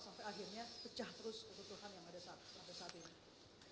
sampai akhirnya pecah terus kebutuhan yang ada sampai saat ini